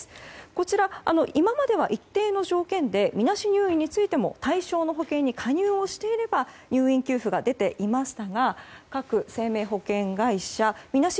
こちら、今までは一定の条件でみなし入院についても対象の保険に加入をしていれば入院給付が出ていましたが各生命保険会社みなし